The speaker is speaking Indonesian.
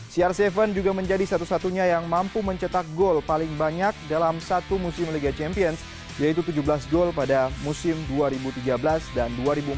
cr tujuh juga menjadi satu satunya yang mampu mencetak gol paling banyak dalam satu musim liga champions yaitu tujuh belas gol pada musim dua ribu tiga belas dan dua ribu empat belas